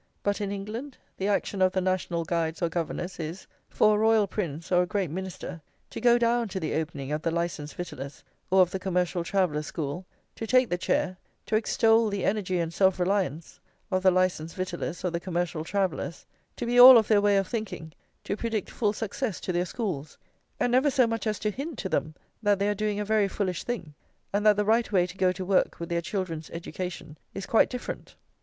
But, in England, the action of the national guides or governors is, for a Royal Prince or a great Minister to go down to the opening of the Licensed Victuallers' or of the Commercial Travellers' school, to take the chair, to extol the energy and self reliance of the Licensed Victuallers or the Commercial Travellers, to be all of their way of thinking, to predict full success to their schools, and never so much as to hint to them that they are doing a very foolish thing, and that the right way to go to work with their children's education is quite different.